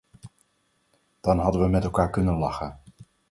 Dan hadden we met elkaar kunnen lachen.